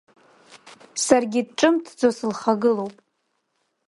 Саргьы ҿымҭӡо сылхагылоуп.